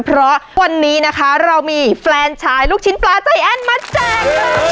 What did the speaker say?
เพราะวันนี้นะคะเรามีแฟนชายลูกชิ้นปลาใจแอ้นมาแจก